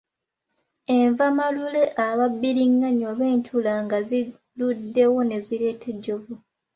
Enva malule aba bbiriŋŋanya oba entula nga ziruddewo ne zireeta ejjovu.